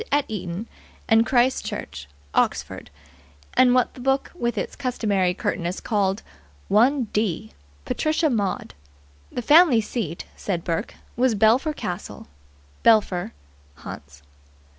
Eton and Christ Church, Oxford, and what the book with its customary curtness called "one d." Patricia Maud. The family seat, said Burke, was Belpher Castle, Belpher, Hants.